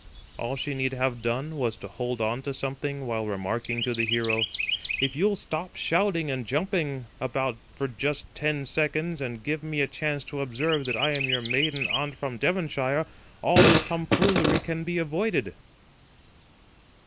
All she need have done was to hold on to something while remarking to the hero: "If you'll stop shouting and jumping about for just ten seconds, and give me a chance to observe that I am your maiden aunt from Devonshire, all this tomfoolery can be avoided."